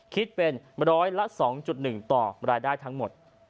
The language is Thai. คิดเป็น๑๐๒๑ต่อมารายได้ทั้งหมด